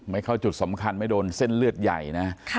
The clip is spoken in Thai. ไม่เข้าจุดสำคัญไม่โดนเส้นเลือดใหญ่นะ